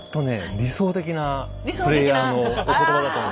理想的なプレイヤーのお言葉だと思います。